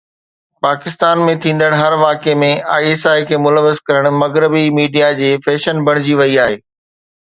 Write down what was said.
پاڪستان ۾ ٿيندڙ هر واقعي ۾ آءِ ايس آءِ کي ملوث ڪرڻ مغربي ميڊيا جي فيشن بڻجي وئي آهي